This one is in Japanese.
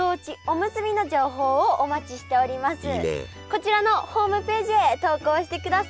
こちらのホームページへ投稿してください。